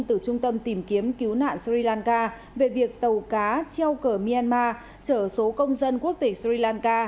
từ trung tâm tìm kiếm cứu nạn sri lanka về việc tàu cá treo cờ myanmar trở số công dân quốc tịch sri lanka